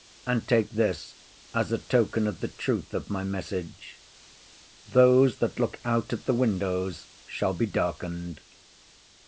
And take this as a token of the truth of my message, "Those that look out at the windows shall be darkened."